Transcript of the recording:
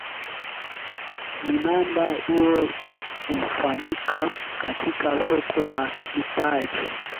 minada hiyo hufanyika katika soko la mitaji